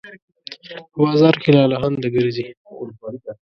په بازار کې لالهانده ګرځي